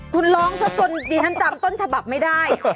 คุณร้องซะจนดิฉันจำต้นฉบับไม่ได้